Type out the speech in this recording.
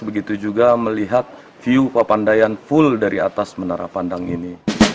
begitu juga melihat view pepandayan full dari atas menara pandang ini